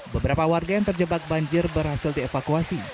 beberapa warga yang terjebak banjir berhasil dievakuasi